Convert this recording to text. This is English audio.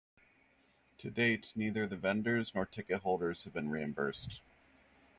To date, neither the vendors nor ticketholders have been reimbursed.